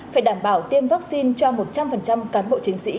phải đảm bảo tiêm vaccine cho một trăm linh cán bộ chiến sĩ